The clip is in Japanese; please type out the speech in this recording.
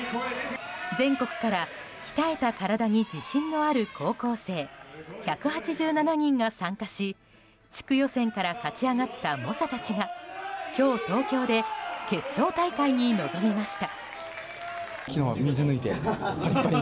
全国から鍛えた体に自信のある高校生１８７人が参加し地区予選から勝ち上がった猛者たちが今日、東京で決勝大会に臨みました。